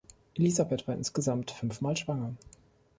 Elisabeth war insgesamt fünfmal schwanger.